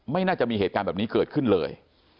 ไม่น่าจะมีเหตุการณ์แบบนี้เกิดขึ้นเลย